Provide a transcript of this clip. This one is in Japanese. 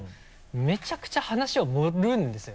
めちゃくちゃ話を盛るんですよ。